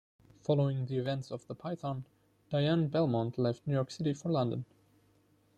Following the events of "The Python," Dian Belmont left New York City for London.